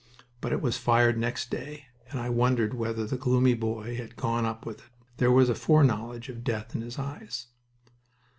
But it was fired next day, and I wondered whether the gloomy boy had gone up with it. There was a foreknowledge of death in his eyes.